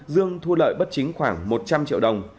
dương thu lợi bất chính khoảng một trăm linh triệu đồng